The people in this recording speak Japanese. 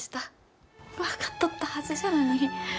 分かっとったはずじゃのに。